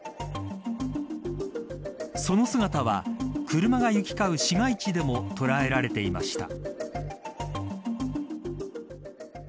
その姿は車が行き交う市街地でも捉えられていました。